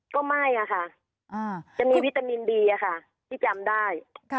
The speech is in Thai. ก็ไม่อะค่ะจะมีวิตามินดีอะค่ะที่จำได้